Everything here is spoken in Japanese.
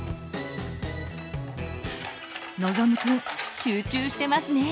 のぞむくん集中してますね。